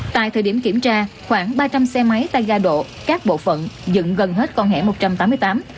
tại thời điểm kiểm tra khoảng ba trăm linh xe máy tay ga độ các bộ phận dựng gần hết con hẻ một trăm tám mươi tám